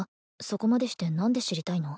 そこまでして何で知りたいの？